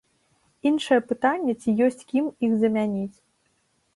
Іншае пытанне, ці ёсць кім іх замяніць.